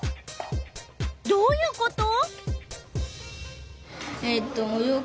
どういうこと？